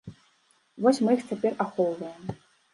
Вось мы іх цяпер ахоўваем.